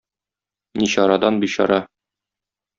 Ничарадан бичара.